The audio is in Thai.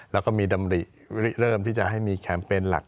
แล้วก็มีดำริเริ่มที่จะให้มีแคมป์เป็นหลัก